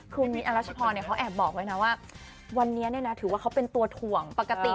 คือมีอรัชพรเขาแอบบอกไว้นะว่าวันนี้ถือว่าเขาเป็นตัวถ่วงปกติ